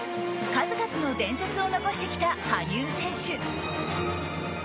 数々の伝説を残してきた羽生選手。